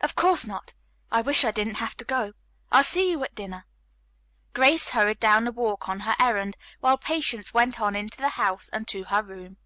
"Of course not. I wish I didn't have to go. I'll see you at dinner." Grace hurried down the walk on her errand, while Patience went on into the house and to her room.